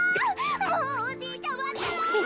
もうおじいちゃまったら！